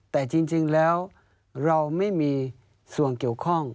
แต่จริงแล้วเราไม่มีส่วนเกี่ยวข้อง